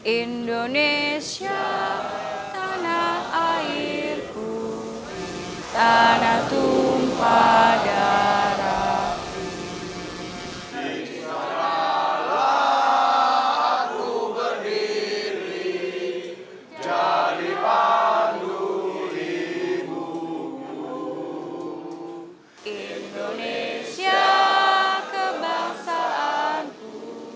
indonesia tanah airku tanah tumpah darahku